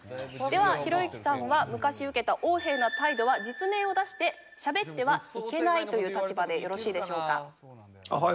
ではひろゆきさんは昔受けた横柄な態度は実名を出して喋ってはいけないという立場でよろしいでしょうか？